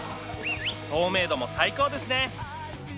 透明度も最高ですね